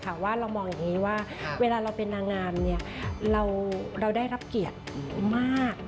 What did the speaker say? แต่ว่าเรามองอย่างนี้ว่าเวลาเราเป็นนางงามเนี่ยเราได้รับเกียรติมาก